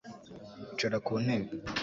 Icara ku ntebe